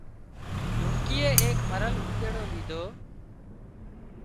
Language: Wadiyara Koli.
لونڪيئي ايڪ مرل اونۮيڙو ليڌو